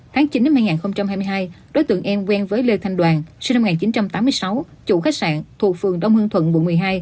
tháng chín năm hai nghìn hai mươi hai đối tượng an quen với lê thanh đoàn sinh năm một nghìn chín trăm tám mươi sáu chủ khách sạn thuộc phường đông hương thuận quận một mươi hai